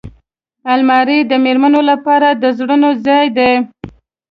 الماري د مېرمنو لپاره د زرونو ځای دی